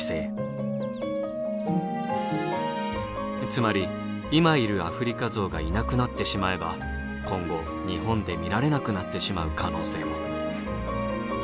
つまり今いるアフリカゾウがいなくなってしまえば今後日本で見られなくなってしまう可能性も。